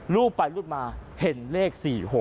รูปไปรูดมาเห็นเลข๔๖